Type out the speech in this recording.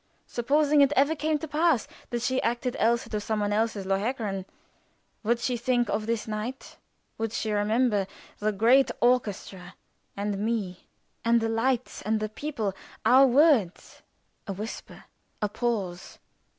Supposing it ever came to pass that she acted Elsa to some one else's Lohengrin, would she think of this night? Would she remember the great orchestra and me, and the lights, and the people our words a whisper? A pause.